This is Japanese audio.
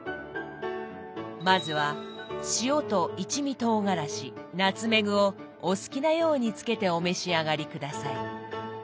まずは塩と一味とうがらしナツメグをお好きなようにつけてお召し上がり下さい。